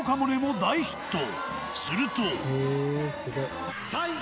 すると。